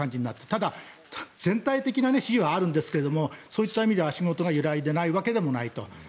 ただ、全体的な支持はあるんですがそういった意味では足元が揺らいでいないわけではないと。